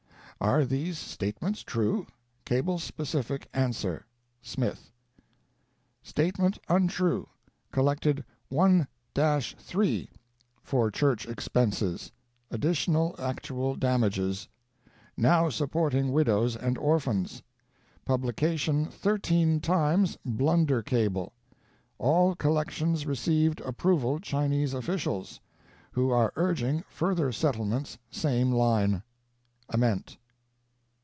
Are these state ments true? Cable specific answer. SMITH." "Statement untrue. Collected 1 3 for church expenses, additional actual damages; now supporting widows and orphans. Publication thirteen times blunder cable. All collections received approval Chinese officials, who are urging further settlements same line. AMENT."